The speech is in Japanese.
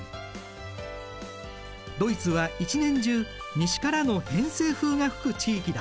ドイツは一年中西からの偏西風が吹く地域だ。